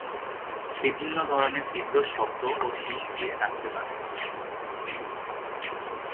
বিভিন্ন ধরনের তীব্র শব্দ ও শিস দিয়ে ডাকতে পারে।